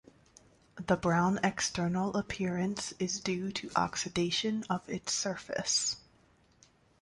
The brown external appearance is due to oxidation of its surface.